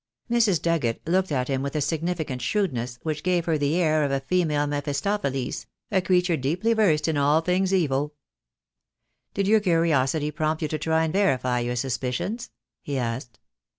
Mrs. Dugget looked at him with a significant shrewd ness, which gave her the air of a female Mephistopheles, a creature deeply versed in all things evil. "Did your curiosity prompt you to try and verify your suspicions?" he asked.